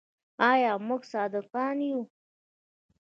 آیا موږ صادقان یو؟